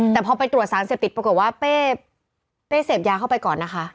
แต่พอไปตรวจสารเสพติดปรากฏว่าเป้เสพยาเข้าไปก่อนนะคะ